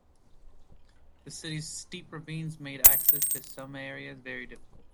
The city's steep ravines made access to some areas very difficult.